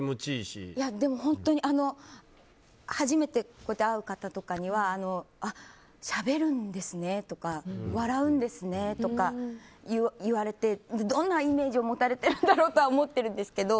本当に初めて会う方とかにはあ、しゃべるんですねとか笑うんですねとか言われてどんなイメージを持たれてるんだろうとは思ってるんですけど